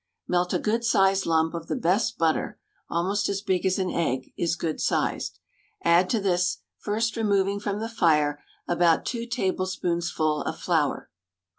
Melt a good sized lump of the best butter — almost as big as an egg, is good sized. Add to this, first removing from the fire, about two tablespoonsful of flour.